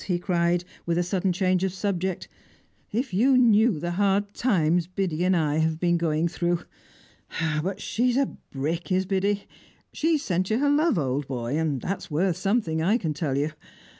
he cried, with sudden change of subject, "if you knew the hard times Biddy and I have been going through! Eh, but she's a brick, is Biddy; she sent you her love, old boy, and that's worth something, I can tell you.